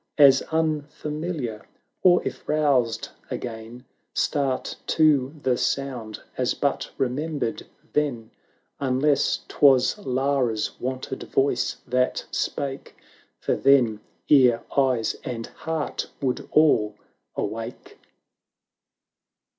As unfamiliar — or, if roused again, 400 LARA [Canto i. Start to the sound, as but remembered then: Unless 'twas Lara's wonted voice that spake. 500 For then — ear — eyes — and heart would all awake.